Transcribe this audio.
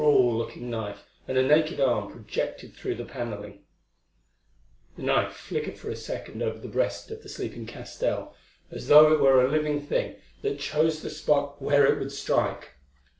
A cruel looking knife and a naked arm projected through the panelling The knife flickered for a second over the breast of the sleeping Castell as though it were a living thing that chose the spot where it would strike.